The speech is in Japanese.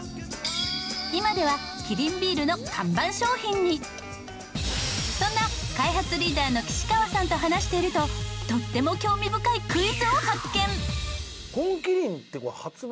今ではそんな開発リーダーの岸川さんと話しているととっても興味深いクイズを発見。